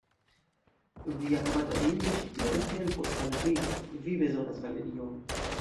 Via amata bildo ĉi tie ne helpos al vi, vi bezonas galerion.